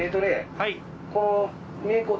はい。